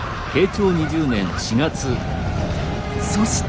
そして。